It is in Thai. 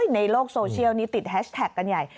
ในโลกโซเชียลนี้ติดแฮชแท็กกันใหญ่